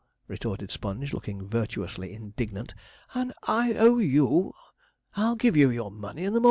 "' retorted Sponge, looking virtuously indignant. 'An "I.O.U.!" I'll give you your money i' the mornin'.'